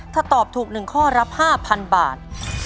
ถ้าตอบถูกหนึ่งข้อรับห้าพันบาท